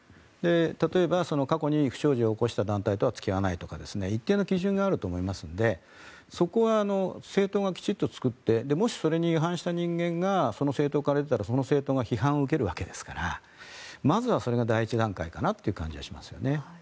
例えば、過去に不祥事を起こした団体とは付き合わないとか一定の基準があると思いますのでそこは政党がきちんと作ってもしそれに違反した人間がその政党から出たら、その政党が批判を受けるわけですからまずはそれが第１段階かなという気はしますね。